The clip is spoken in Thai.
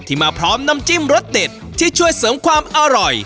มาพร้อมน้ำจิ้มรสเด็ดที่ช่วยเสริมความอร่อย